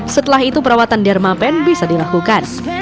setelah itu perawatan dermapen bisa dilakukan